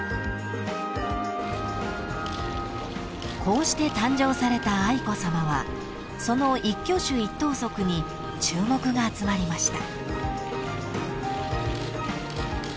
［こうして誕生された愛子さまはその一挙手一投足に注目が集まりました］